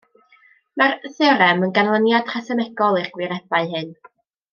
Mae'r theorem yn ganlyniad rhesymegol i'r gwirebau hyn.